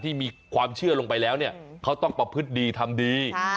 ที่มีความเชื่อลงไปแล้วเนี่ยเขาต้องประพฤติดีทำดี